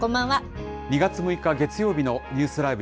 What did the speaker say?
２月６日月曜日のニュースＬＩＶＥ！